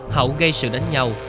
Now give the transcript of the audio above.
hậu gây sự đánh nhau